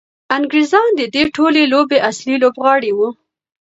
انګریزان د دې ټولې لوبې اصلي لوبغاړي وو.